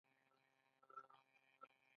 هډوکی یو ارتباطي نسج دی.